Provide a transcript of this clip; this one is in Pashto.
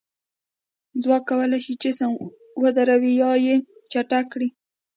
ځواک کولی شي جسم ودروي یا یې چټک کړي.